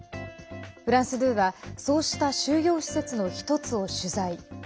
フランス２はそうした収容施設の１つを取材。